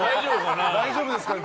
大丈夫ですかね。